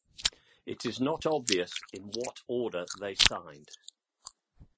It is not obvious in what order they signed.